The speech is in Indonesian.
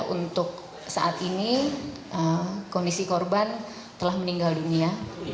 untuk saat ini kondisi korban telah meninggal dunia